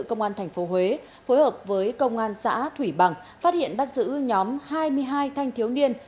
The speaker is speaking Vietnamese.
công an tp huế phối hợp với công an xã thủy bằng phát hiện bắt giữ nhóm hai mươi hai thanh thiếu niên